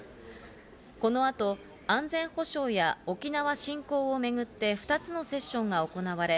この後、安全保障や沖縄振興をめぐって２つのセッションが行われ、